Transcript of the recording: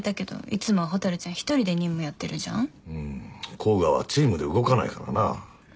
甲賀はチームで動かないからな。